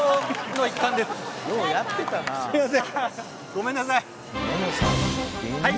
ごめんなさい。